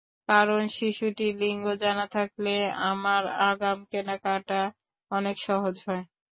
কারণ, শিশুটির লিঙ্গ জানা থাকলে আমার আগাম কেনাকাটা অনেক সহজ হয়।